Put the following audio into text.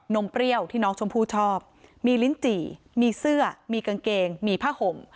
มเปรี้ยวที่น้องชมพู่ชอบมีลิ้นจี่มีเสื้อมีกางเกงมีผ้าห่ม